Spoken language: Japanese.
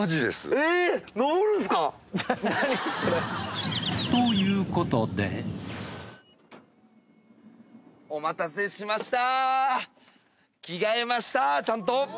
えぇ。ということでお待たせしました！